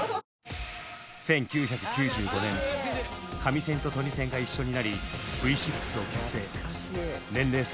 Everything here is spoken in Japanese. １９９５年カミセンとトニセンが一緒になり「Ｖ６」を結成。